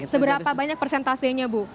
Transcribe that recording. seberapa banyak persentasenya bu